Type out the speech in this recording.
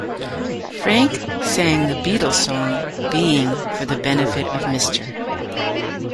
Frank sang the Beatles song "Being for the Benefit of Mr.